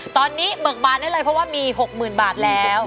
ตอนนี้เบิกบานได้เลยเพราะว่ามี๖๐๐๐บาทแล้ว